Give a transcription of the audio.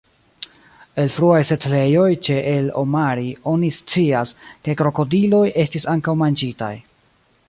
El fruaj setlejoj ĉe el-Omari oni scias, ke krokodiloj estis ankaŭ manĝitaj.